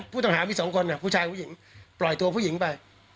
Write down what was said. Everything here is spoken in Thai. ผู้ต้องหามี๒คนผู้ชายผู้หญิงปล่อยตัวผู้หญิงไป